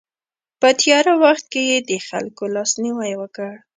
په تیاره وخت کې یې د خلکو لاسنیوی وکړ.